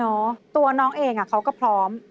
ตัวน้องเองเขาก็พร้อม